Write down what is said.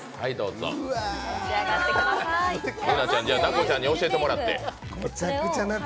イェナちゃん、奈子ちゃんに教えてもらって。